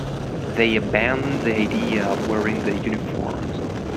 They abandoned the idea of wearing the uniforms.